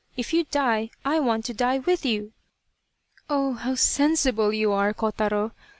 If you die, I want to die with you !"" Oh, how sensible you are, Kotaro.